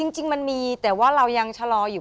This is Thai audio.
จริงมันมีแต่ว่าเรายังชะลออยู่